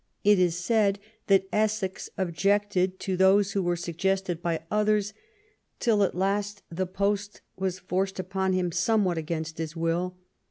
It is said that Essex objected to those who were suggested by others, till, at last, the post was forced upon himself somewhat against his will.